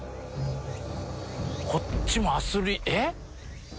こっちもアスリーえっ？